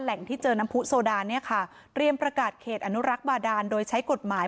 ที่เจอน้ำผู้โซดาเนี่ยค่ะเตรียมประกาศเขตอนุรักษ์บาดานโดยใช้กฎหมาย